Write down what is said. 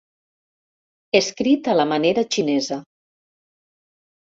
Escrit a la manera xinesa.